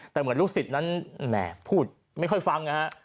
แต่เหมือนลูกศิษย์นั้นแหมพูดไม่ค่อยฟังนะฮะ